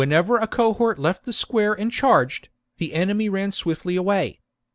ever a cohort left the square and charged, the enemy ran swiftly away.